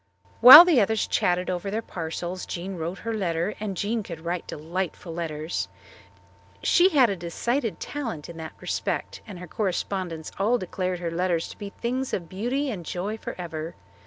While the others chatted over their parcels Jean wrote her letter, and Jean could write delightful letters. She had a decided talent in that respect, and her correspondents all declared her letters to be things of beauty and joy forever.